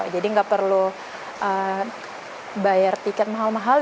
jadi nggak perlu bayar tiket mahal mahal